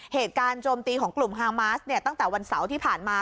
โจมตีของกลุ่มฮามาสเนี่ยตั้งแต่วันเสาร์ที่ผ่านมา